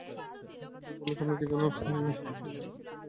তাদের বলল, তোমরা কি জান যে, সালিহ্ আল্লাহ্ কর্তৃক প্রেরিত?